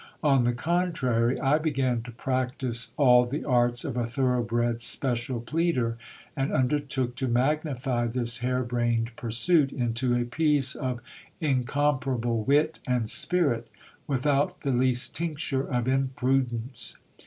On the contrary, I began to practise all the arts of a thorough bred special pleader, and under took to magnify this hair brained pursuit into a piece of incomparable wit and spir t, without the least tincture of imprudence.